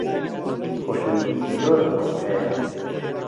خۆشەویستیی زۆرم بۆت هەیە.